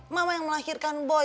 mama yang melahirkan boy